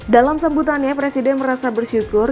dalam sambutannya presiden merasa bersyukur